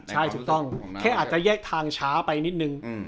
ใช่ถูกต้องแค่อาจจะแยกทางช้าไปนิดนึง